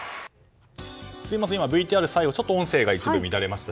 すみません、ＶＴＲの最後音声が一部乱れました。